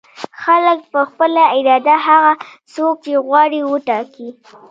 خلک په خپله اراده هغه څوک چې غواړي وټاکي.